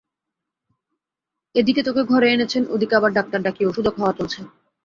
এ দিকে তোকে ঘরে এনেছেন, ও দিকে আবার ডাক্তার ডাকিয়ে ওষুধও খাওয়া চলছে।